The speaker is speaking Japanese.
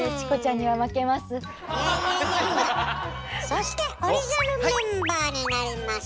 そして！